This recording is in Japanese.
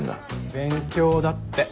勉強だって。